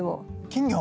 金魚？